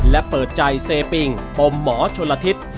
และเปิดใจเซปิงปมหมอชนละทิศ